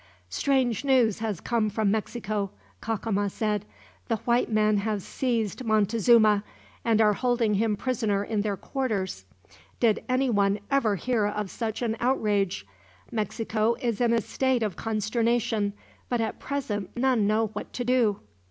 "Strange news has come from Mexico," Cacama said. "The white men have seized Montezuma, and are holding him prisoner in their quarters. Did anyone ever hear of such an outrage? Mexico is in a state of consternation, but at present none know what to do."